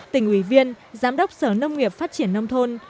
tỉnh ủy viên giám đốc sở nông nghiệp phát triển nông thôn